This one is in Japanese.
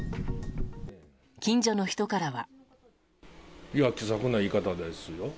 近所の人からは。